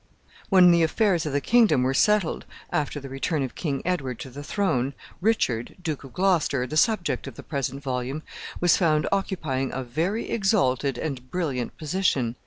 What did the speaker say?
When the affairs of the kingdom were settled, after the return of King Edward to the throne, Richard, Duke of Gloucester, the subject of the present volume, was found occupying a very exalted and brilliant position.